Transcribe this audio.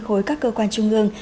khối các cơ quan trung ương